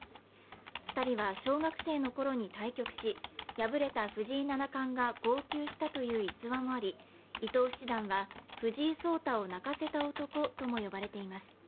２人は小学生の頃に対局し、敗れた藤井七冠が号泣したという逸話もあり、伊藤七段は藤井聡太を泣かせた男とも呼ばれています。